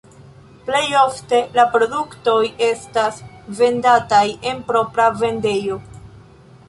Plej ofte la produktoj estas vendataj en propra vendejo.